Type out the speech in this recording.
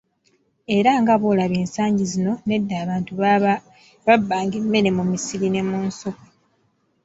"Era nga bw’olaba ensangi zino, n’edda abantu babbanga emmere mu misiri ne mu nsuku."